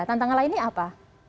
tantangan lainnya apa